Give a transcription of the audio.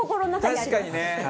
確かにね。